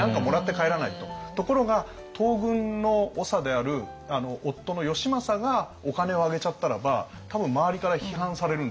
ところが東軍の長である夫の義政がお金をあげちゃったらば多分周りから批判されるんですよ。